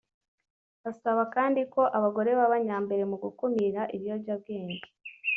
asaba kandi ko abagore baba nyambere mu gukumira ibiyobyabwenge